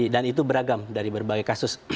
itu beragam dari berbagai kasus